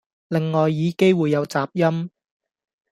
另外耳機會有雜音